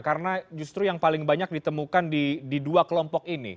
karena justru yang paling banyak ditemukan di dua kelompok ini